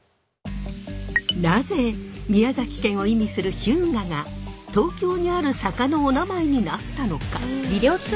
なぜ宮崎県を意味する日向が東京にある坂のおなまえになったのか？